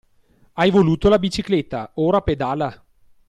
Hai voluto la bicicletta? Ora pedala!